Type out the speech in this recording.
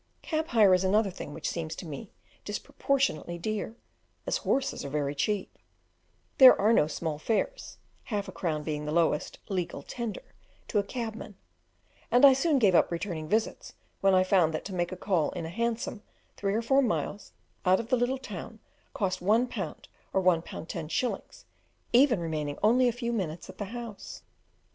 Cab hire is another thing which seems to me disproportionately dear, as horses are very cheap; there are no small fares, half a crown being the lowest "legal tender" to a cabman; and I soon gave up returning visits when I found that to make a call in a Hansom three or four miles out of the little town cost one pound or one pound ten shillings, even remaining only a few minutes at the house.